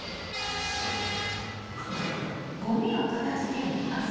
そうだっけごめんごめん。